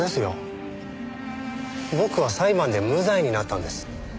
僕は裁判で無罪になったんです。